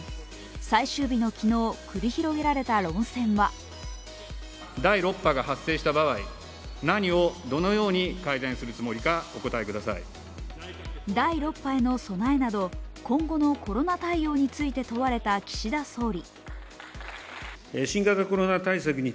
最終日の昨日、繰り広げられた論戦は第６波への備えなど、今後のコロナ対応について問われた岸田総理。